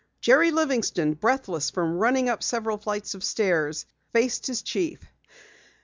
Jerry Livingston, breathless from running up several flights of stairs, faced his chief.